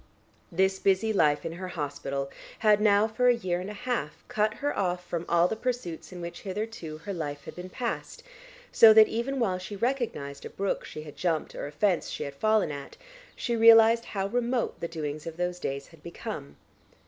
This busy life in her hospital had now for a year and a half cut her off from all the pursuits in which hitherto her life had been passed, so that even while she recognised a brook she had jumped or a fence she had fallen at, she realised how remote the doings of those days had become.